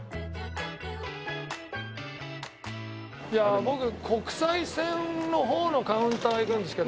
いや僕国際線の方のカウンターは行くんですけど。